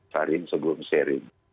saring sebelum sharing